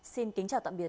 xin kính chào tạm biệt